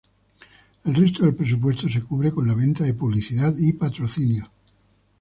El resto del presupuesto se cubre con la venta de publicidad y patrocinios.